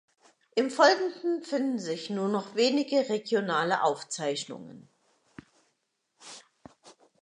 Im Folgenden finden sich nur noch wenige regionale Aufzeichnungen.